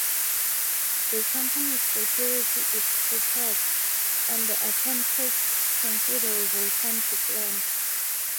The company's security is superb, and the attempt takes considerable time to plan.